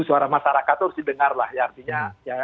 suara masyarakat itu harus didengar lah ya artinya